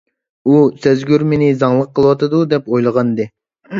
ئۇ سەزگۈر مېنى زاڭلىق قىلىۋاتىدۇ دەپ ئويلىغانىدى.